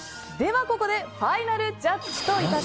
ここでファイナルジャッジです。